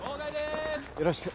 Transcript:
よろしく。